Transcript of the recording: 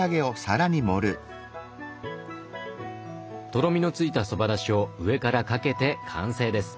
とろみのついたそばだしを上からかけて完成です。